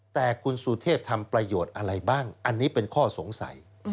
แต่คุณสุเทพทำประโยชน์อะไรบ้างอันนี้เป็นข้อสงสัย